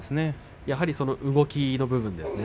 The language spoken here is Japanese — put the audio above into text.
やはり動きの部分ですね。